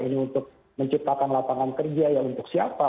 ini untuk menciptakan lapangan kerja ya untuk siapa